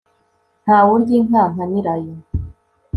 ntawe urya inka nka nyirayo